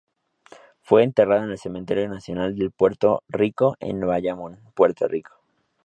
Fue enterrado en el Cementerio nacional de Puerto Rico en Bayamón, Puerto Rico.